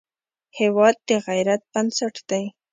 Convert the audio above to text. هېواد د غیرت بنسټ دی.